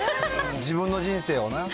自分の人生をな。